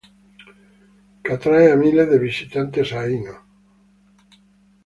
Que atrae a miles de visitantes a Heino.